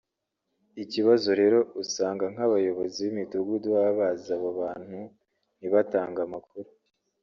Ikibazo rero usanga nk’abayobozi b’imidugudu baba bazi abo bantu ntibatange amakuru